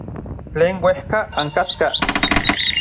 Tlen uejka ankatkaj.